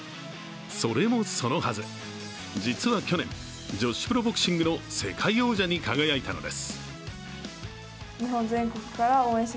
それもそのはず、実は去年、女子プロボクシングの世界王者に輝いたのです。